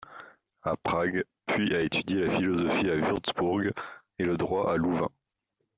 À Prague puis a étudié la Philosophie à Wurtzbourg et le Droit à Louvain.